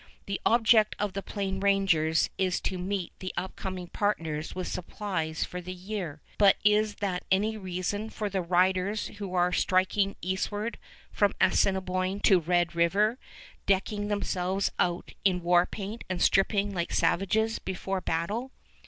The object of the Plain Rangers is to meet the up coming partners with supplies for the year; but is that any reason for the riders who are striking eastward from Assiniboine to Red River, decking themselves out in war paint and stripping like savages before battle?